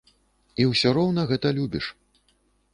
І ўсё роўна гэта любіш.